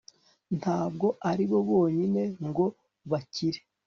ntabwo ari bonyine ngo bakire